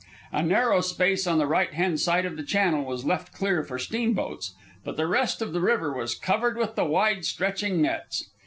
A narrow space on the right hand side of the channel was left clear for steam boats, but the rest of the river was covered with the wide stretching nets.